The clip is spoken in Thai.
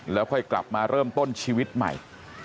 แล้วค่อยกลับมาเริ่มต้นชีวิตใหม่